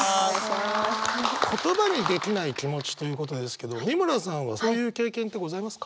言葉にできない気持ちということですけど美村さんはそういう経験ってございますか？